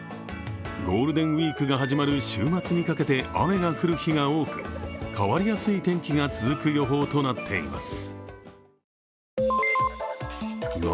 ゴールデンウイークが始まる週末にかけて雨が降る日が多く、変わりやすい天気が続く予報となっています。